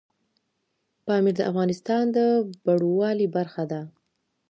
پامیر د افغانستان د بڼوالۍ برخه ده.